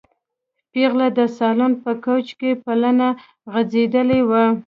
پېغله د سالون په کوچ کې پلنه غځېدلې وه.